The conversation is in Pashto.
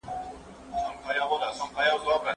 هغه ميتود چي ده کارولی ډېر دقيق دی.